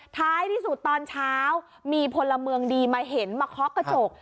ท้ายที่สุดตอนเช้ามีพลเมืองดีมาเห็นมาเคาะกระจก